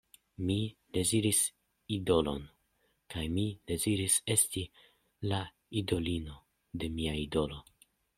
Mi deziris idolon kaj mi deziris esti la idolino de mia idolo.